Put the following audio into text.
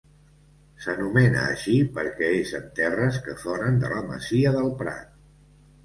S'anomena així perquè és en terres que foren de la masia del Prat.